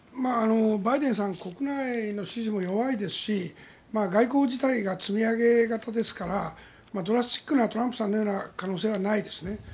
バイデンさん国内の支持も弱いですし外交自体が積み上げ型ですからドラスティックなトランプさんのような可能性はないですね。